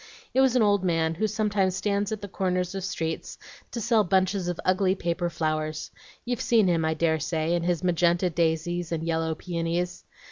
It was an old man, who sometimes stands at the corners of streets to sell bunches of ugly paper flowers. You've seen him, I dare say, and his magenta daisies and yellow peonies.